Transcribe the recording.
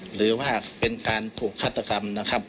หรือว่าเป็นการผูกฆาตกรรม